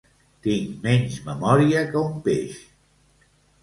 Tinc menys memòria que un peix